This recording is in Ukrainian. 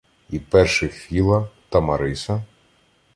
І перших Філа, Тамариса